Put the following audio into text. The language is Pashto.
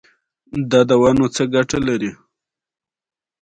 د پیل تر پښو لاندې سزاګانې په تاریخ کې مشهورې دي.